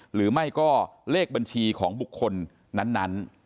หรือไม่ก็เลขบัญชีของบุคคลนั้น